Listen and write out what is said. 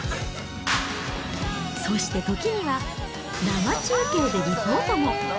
そして時には、生中継でリポートも。